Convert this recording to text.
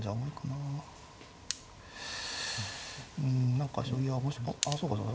何か将棋がああそうかそうか。